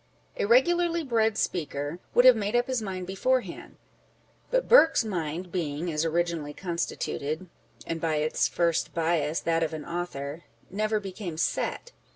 1 A regularly bred speaker would have made up his mind beforehand ; but Burke's mind being, as originally constituted and by its first bias, that of an author, never became set.